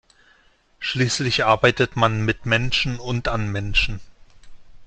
Schließlich arbeitet man mit Menschen und an Menschen.